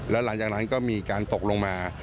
แล้วหลังจากนั้นก็มีการตกลงมา